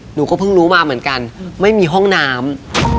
หนูก็เพิ่งรู้มาเหมือนกันไม่มีห้องน้ำ